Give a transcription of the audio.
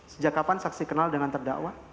sejak kapan saksi kenal dengan terdakwa